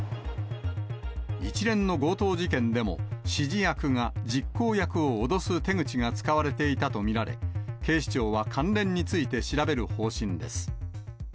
一連の強盗事件でも、指示役が実行役を脅す手口が使われていたと見られ、警視庁は関連について調べる方針です。